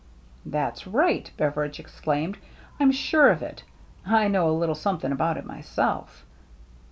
" That's right !" Beveridge exclaimed. " I'm sure of it. I know a little some thing about it myself."